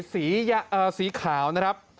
สีขาวนะครับ